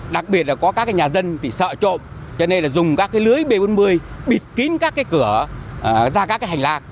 đặc biệt là có các nhà dân sợ trộm cho nên dùng các lưới b bốn mươi bịt kín các cửa ra các hành lang